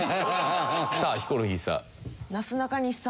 さあヒコロヒーさん。